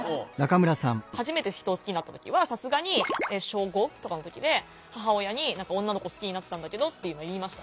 初めて人を好きになった時はさすがに小５とかの時で母親に「女の子を好きになったんだけど」っていうのを言いました。